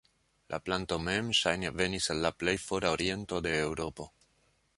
La planto mem ŝajne venis el la plej fora oriento de Eŭropo.